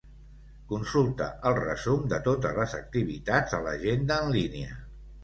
Consulta el resum de totes les activitats a l'agenda en línia.